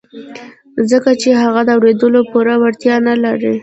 ځکه چې هغه د اورېدو پوره وړتيا نه لري.